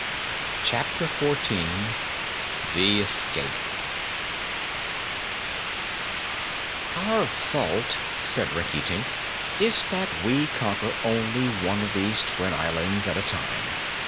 Chapter Fourteen The Escape "Our fault," said Rinkitink, "is that we conquer only one of these twin islands at a time.